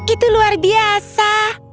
itu luar biasa